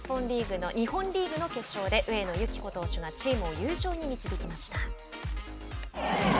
日本リーグの決勝で上野由岐子投手がチームを優勝に導きました。